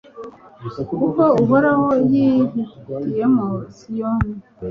kuko uhoraho yihitiyemo siyoni